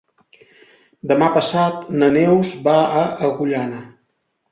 Demà passat na Neus va a Agullana.